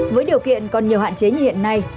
với điều kiện còn nhiều hạn chế như hiện nay